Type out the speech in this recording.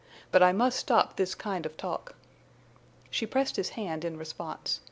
But I must stop this kind of talk." She pressed his hand in response.